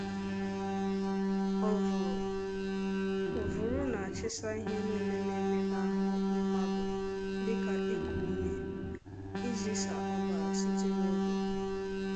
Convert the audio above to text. Ovuru na-achizu ihe nile na-eme na ahu mmadu dika iku-ume, izisa obara site n'obi.